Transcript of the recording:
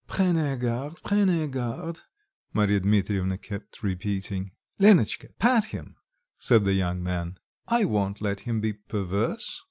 "Prenez garde, prenez garde," Marya Dmitrievna kept repeating. "Lenotchka, pat him," said the young man, "I won't let him be perverse."